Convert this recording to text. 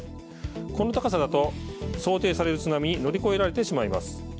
この高さだと想定される津波に乗り越えられてしまいます。